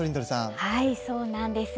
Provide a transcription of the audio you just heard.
はい、そうなんです。